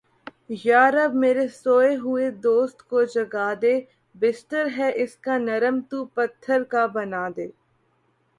یا رب میرے سوئے ہوئے دوست کو جگا دے۔ بستر ہے اس کا نرم تو پتھر کا بنا دے